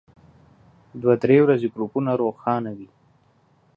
دوه درې ورځې ګروپونه روښانه وي.